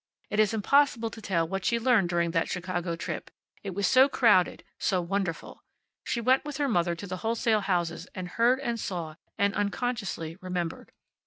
It is impossible to tell what she learned during that Chicago trip, it was so crowded, so wonderful. She went with her mother to the wholesale houses and heard and saw and, unconsciously, remembered.